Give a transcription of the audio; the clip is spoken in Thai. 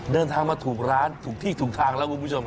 เดินทางมาถูกร้านถูกที่ถูกทางแล้วคุณผู้ชม